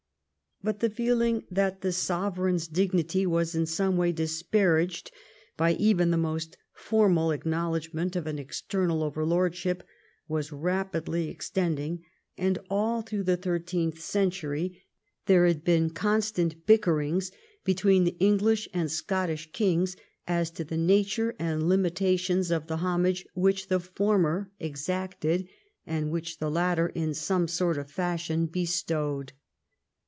But the feeling that the sovereign's dignity w^as in some way disparaged by even the most formal acknowledg ment of an external overlordship was rapidly extending, and all through the thirteenth century there had been 166 EDWARD I chap. constant bickerings between the English and Scottish kings as to the nature and limitations of the homage, which the former exacted and which the latter in some sort of fashion bestowed.